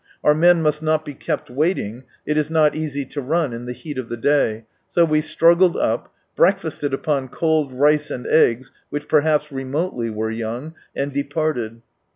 Our men must not be kept waiting, (it is not easy to run in the heat of the day,) so we struggled up, breakfasted upon cold rice and eggs which perhaps remotely were young, and departed.